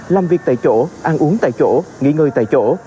làm việc tại chỗ ăn uống tại chỗ nghỉ ngơi tại chỗ